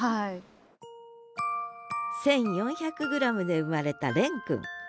１，４００ｇで生まれた蓮くん。